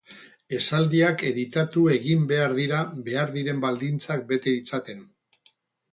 Esaldiak editatu egin behar dira behar diren baldintzak bete ditzaten.